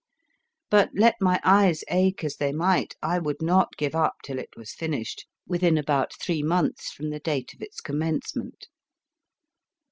But let my eyes ache as they might, I would not give up till it was finished, within about three months from the date of its commencement.